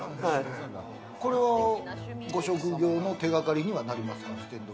これはご職業の手掛かりにはなりますか？